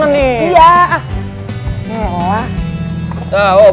kan lo yang bantu dorong